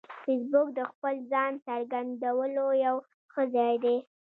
فېسبوک د خپل ځان څرګندولو یو ښه ځای دی